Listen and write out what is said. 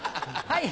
はい。